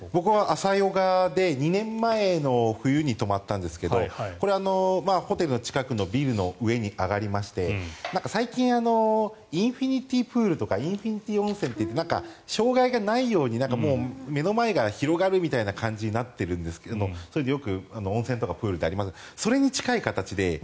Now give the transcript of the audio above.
朝ヨガで２年前の冬に泊まったんですがこれはホテルの近くのビルの上に上がりまして最近インフィニティプールとかインフィニティ温泉みたいな障害がないように目の前が広がるみたいな感じになっているんですがよく温泉とかプールがありますがそれに近い形で。